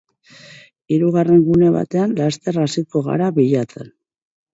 Hirugarren gune batean laster hasiko gara bilatzen.